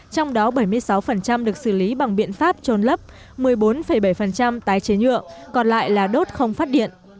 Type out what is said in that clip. trong đó bảy mươi sáu được xử lý bằng biện pháp trôn lấp một mươi bốn bảy tái chế nhựa còn lại là đốt không phát điện